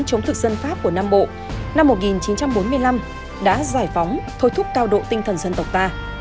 chống thực dân pháp của nam bộ năm một nghìn chín trăm bốn mươi năm đã giải phóng thôi thúc cao độ tinh thần dân tộc ta